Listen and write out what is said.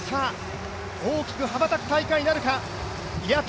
大きく羽ばたく大会になるか。